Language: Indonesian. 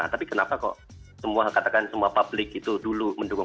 tapi kenapa kok semua katakan semua publik itu dulu mendukung